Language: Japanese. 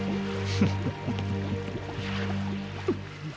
フフフフ。